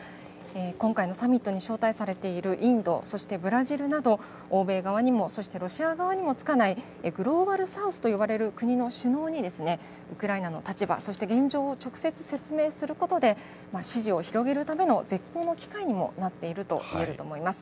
今回のサミットに招待されているインド、そしてブラジルなど、欧米側にも、そしてロシア側にもつかないグローバル・サウスと呼ばれる国の首脳に、ウクライナの立場、そして現状を直接説明することで、支持を広げるための絶好の機会にもなっているといえると思います。